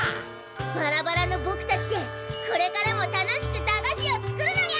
バラバラのぼくたちでこれからも楽しく駄菓子を作るのにゃ！